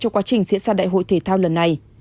trong quá trình diễn ra đại hội thể thao lần này